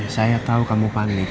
saya tau kamu panik tapi